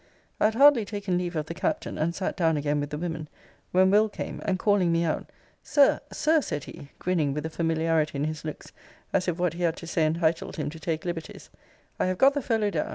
I had hardly taken leave of the Captain, and sat down again with the women, when Will. came; and calling me out, 'Sir, Sir,' said he, grinning with a familiarity in his looks as if what he had to say entitled him to take liberties; 'I have got the fellow down!